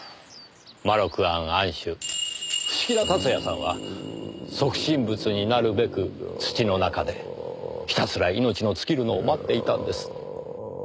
まろく庵庵主伏木田辰也さんは即身仏になるべく土の中でひたすら命の尽きるのを待っていたんです。